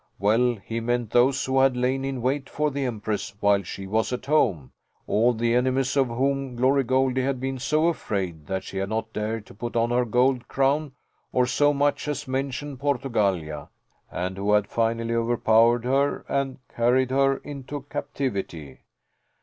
Well, he meant those who had lain in wait for the Empress while she was at home all the enemies of whom Glory Goldie had been so afraid that she had not dared to put on her gold crown or so much as mention Portugallia, and who had finally overpowered her and carried her into captivity."